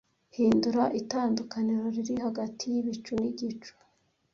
Hindura itandukaniro riri hagati yibicu nigicu